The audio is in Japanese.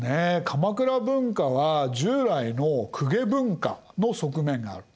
鎌倉文化は従来の公家文化の側面がある。